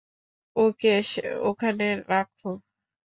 ওকে ওখানে রাখো!